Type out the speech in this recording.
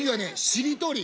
しりとり。